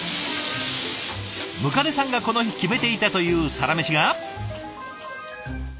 百足さんがこの日決めていたというサラメシが。